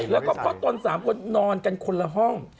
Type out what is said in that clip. แล้วก็เพราะตน๓คนนอนกันคนละห้อง